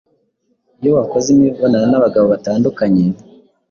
iyo wakoze imibonano n’abagabo batandukanye